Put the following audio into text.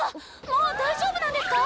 もう大丈夫なんですか？